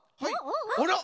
あら！